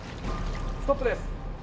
ストップです。